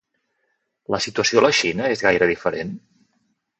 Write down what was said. La situació a la Xina és gaire diferent?